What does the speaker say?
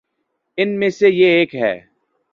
ان میں سے یہ ایک ہے۔